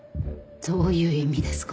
どういう意味ですか？